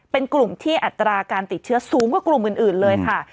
เป็นกลุ่มที่อัตราการติดเชื้อสูงกว่ากลุ่มอื่นเลยค่ะ